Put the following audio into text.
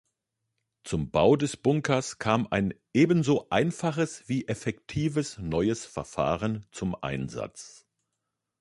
Zum Bau des Bunkers kam ein ebenso einfaches wie effektives neues Verfahren zum Einsatz.